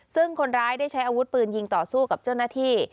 ซึ่งคนร้ายได้ใช้อาวุธปืนยิงต่อสู้กับเจ้าหน้าที่